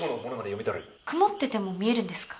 曇ってても見えるんですか？